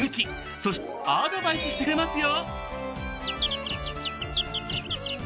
そしてアドバイスしてくれますよ。